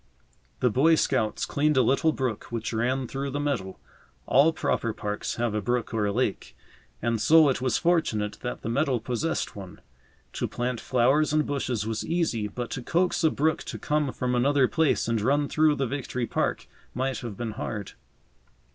The Boy Scouts cleaned a little brook which ran through the meadow. All proper parks have a brook or a lake, and so it was fortunate that the meadow possessed one. To plant flowers and bushes was easy, but to coax a brook to come from another place and run through the Victory Park might have been hard.